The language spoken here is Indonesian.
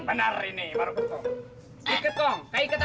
bangun bangun bangun